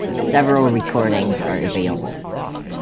Several recordings are available.